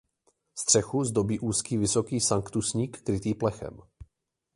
Střechu zdobí úzký vysoký sanktusník krytý plechem.